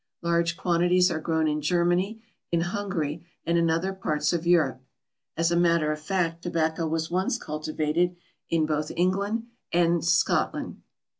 Large quantities are grown in Germany, in Hungary, and in other parts of Europe. As a matter of fact tobacco was once cultivated in both England and Scotland.